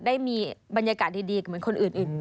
ได้มีบรรยากาศดีเหมือนคนอื่น